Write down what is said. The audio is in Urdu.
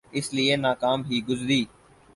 اس لئے ناکام ہی گزری۔